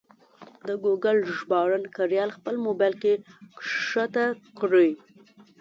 د ګوګل ژباړن کریال خپل مبایل کې کښته کړئ.